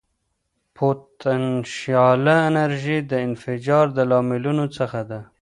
پوتنشیاله انرژي د انفجار د لاملونو څخه ده.